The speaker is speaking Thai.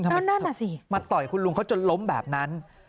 นั่นนั่นอ่ะสิมาต่อยคุณลุงเขาจนล้มแบบนั้น